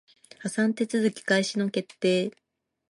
破産手続開始の決定